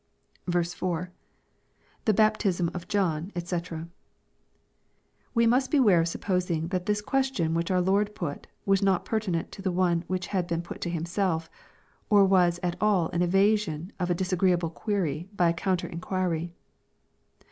I. — [7!he baptism of John^ <kc.] We must beware of supposing that this question which our Lord put was not pertinent to the one which had been put to Himself, or was at all an evasion of a disa greeable query by a counter inquiry.